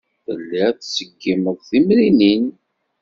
Tellid tettṣeggimed timrinin.